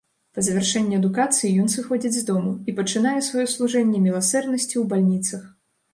Па завяршэнні адукацыі ён сыходзіць з дому, і пачынае сваё служэнне міласэрнасці ў бальніцах.